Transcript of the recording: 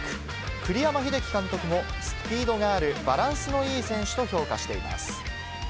栗山英樹監督も、スピードがあるバランスのいい選手と評価しています。